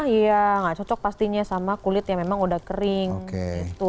iya nggak cocok pastinya sama kulit yang memang udah kering gitu